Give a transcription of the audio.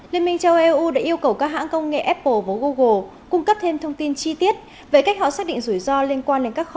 liên minh châu âu đã yêu cầu các hãng công nghệ apple và google cung cấp thêm thông tin chi tiết về cách họ xác định rủi ro liên quan đến các kho